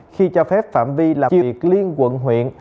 khi cho phép phạm vi làm việc liên quận huyện